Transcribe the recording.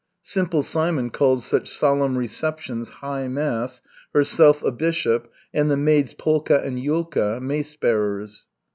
Simple Simon called such solemn receptions high mass, herself a bishop, and the maids, Polka and Yulka, mace bearers.